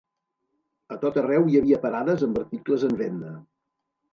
A tot arreu hi havia parades amb articles en venda.